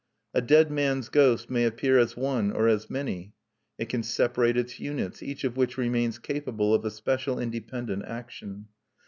A dead man's ghost may appear as one or as many. It can separate its units, each of which remains capable of a special independent action.